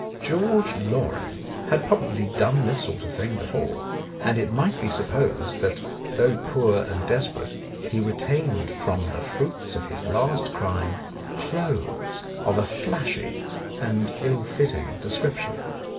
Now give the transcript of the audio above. George Loring had probably done this sort of thing before, and it might be supposed that though poor and desperate, he retained from the fruits of his last crime clothes of a flashy and ill fitting description.